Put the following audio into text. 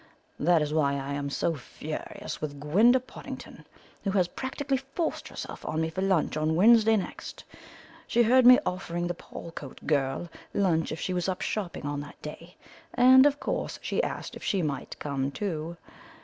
That is why I am so furious with Gwenda Pottingdon, who has practically forced herself on me for lunch on Wednesday next; she heard me offer the Paulcote girl lunch if she was up shopping on that day, and, of course, she asked if she might come too.